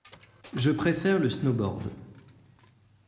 Je préfère le snowboard.